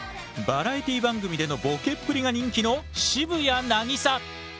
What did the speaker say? バラエティー番組でのボケっぷりが人気の渋谷凪咲。